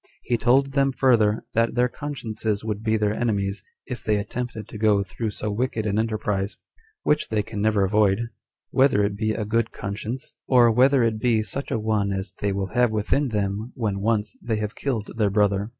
He told them further, that their consciences would be their enemies, if they attempted to go through so wicked an enterprise, which they can never avoid, whether it be a good conscience; or whether it be such a one as they will have within them when once they have killed their brother.